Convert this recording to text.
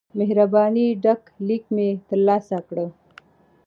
مهربانی ډک لیک مې ترلاسه کړ.